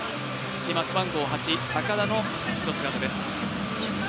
今、背番号８、高田の後ろ姿です。